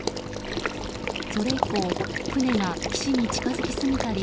それ以降船が岸に近づきすぎたり